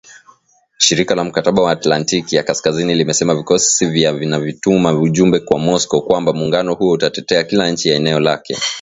Shirika la Mkataba wa Atlantiki ya Kaskazini limesema vikosi hivyo vinatuma ujumbe kwa Moscow kwamba muungano huo utatetea kila nchi ya eneo lake.